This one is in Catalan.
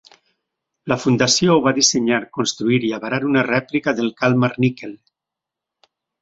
La fundació va dissenyar, construir i avarar una rèplica del "Kalmar Nyckel".